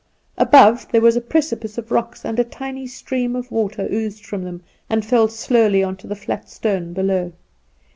"Above there was a precipice of rocks, and a tiny stream of water oozed from them and fell slowly on to the flat stone below.